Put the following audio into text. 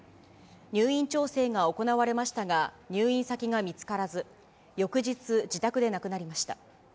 入院調整が行われましたが、入院先が見つからず、翌日、自宅で亡くなりました。